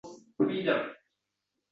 — deb o‘yladi Kichkina shahzoda.